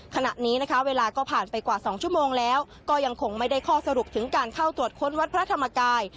ขณะนี้นะคะเวลาก็ผ่านไปกว่า๒ชั่วโมงแล้วก็ยังคงไม่ได้ข้อสรุปถึงการเข้าตรวจค้นวัดพระธรรมกาย